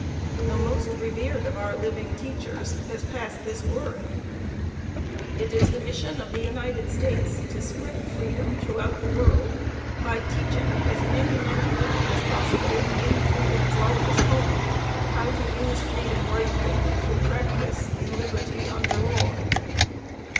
The most revered of our living teachers has passed this word: It is the mission of the United States to spread freedom throughout the world by teaching as many men and women as possible in freedom's largest home how to use freedom rightly through practice in liberty under law.